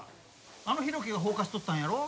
あの浩喜が放火しとったんやろ？